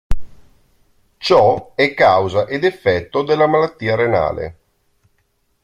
Ciò è causa ed effetto della malattia renale.